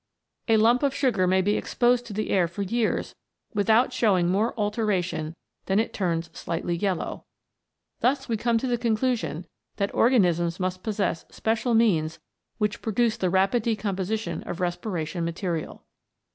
A 117 CHEMICAL PHENOMENA IN LIFE lump of sugar may be exposed to the air for years without showing more alteration than that it turns slightly yellow. Thus we come to the conclusion that organisms must possess special means which produce the rapid decomposition of respiration material.